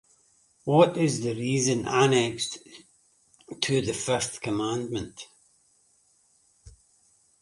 What is the reason annexed to the fifth commandment?